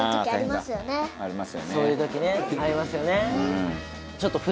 そういう時ねありますよね。